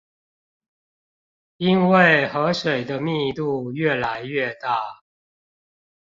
因為河水的密度愈來愈大